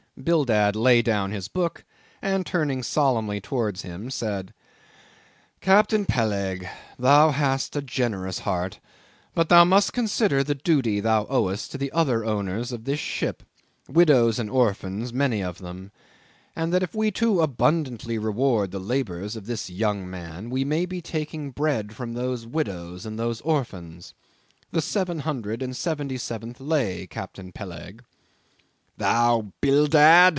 Bildad laid down his book, and turning solemnly towards him said, "Captain Peleg, thou hast a generous heart; but thou must consider the duty thou owest to the other owners of this ship—widows and orphans, many of them—and that if we too abundantly reward the labors of this young man, we may be taking the bread from those widows and those orphans. The seven hundred and seventy seventh lay, Captain Peleg." "Thou Bildad!"